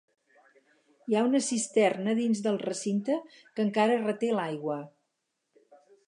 Hi ha una cisterna dins del recinte que encara reté l'aigua.